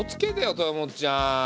豊本ちゃん。